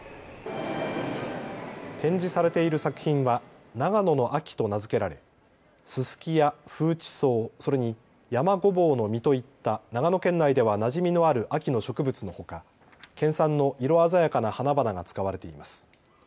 展示されている作品は長野の秋と名付けられススキや風知草、それにヤマゴボウの実といった長野県内ではなじみのある秋の植物のほか県産の色鮮やかな花々が使われています。